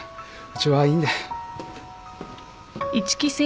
うちはいいんで。